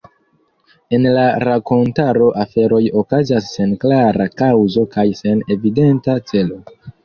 En la rakontaro aferoj okazas sen klara kaŭzo kaj sen evidenta celo.